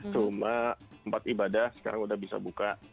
cuma tempat ibadah sekarang sudah bisa buka